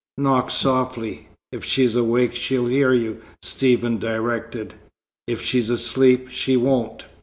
"Knock softly. If she's awake, she'll hear you," Stephen directed. "If she's asleep, she won't."